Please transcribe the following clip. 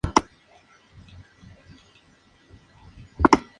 Fue profesor de la Universidad de Wisconsin-Milwaukee.